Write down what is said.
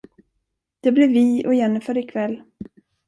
Det blir vi och Jennifer ikväll!